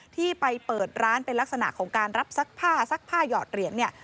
ที่ไปเปิดร้านเป็นลักษณะของการรับซักผ้าซักผ้าหยอดเหรียญเนี่ย